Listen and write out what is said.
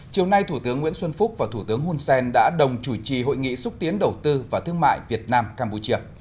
chiều nay thủ tướng nguyễn xuân phúc và thủ tướng hun sen đã đồng chủ trì hội nghị xúc tiến đầu tư và thương mại việt nam campuchia